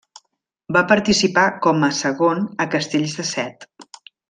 Va participar com a segon a castells de set.